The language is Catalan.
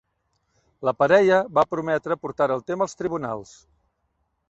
La parella va prometre portar el tema als tribunals.